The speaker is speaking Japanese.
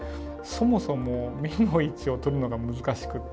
そもそも目の位置を取るのが難しくって。